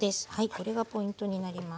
これがポイントになります。